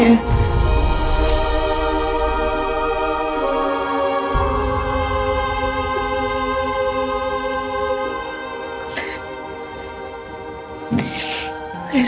ya sekarang ini aku cuman